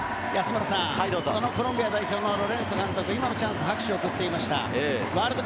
コロンビア代表のロレンソ監督、今のチャンスに拍手を送っていました。